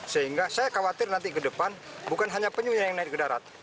sehingga saya khawatir nanti ke depan bukan hanya penyu yang naik ke darat